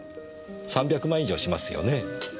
３００万以上しますよね？